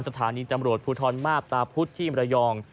สถานีตำรวจภูทรมาพตาพุธที่มรยอง